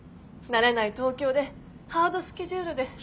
慣れない東京でハードスケジュールで。